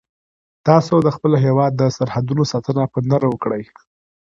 تاسو د خپل هیواد د سرحدونو ساتنه په نره وکړئ.